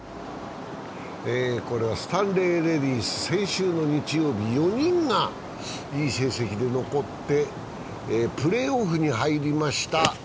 これはスタンレーレディス、先週の日曜日、４人がいい成績で残ってプレーオフに入りました。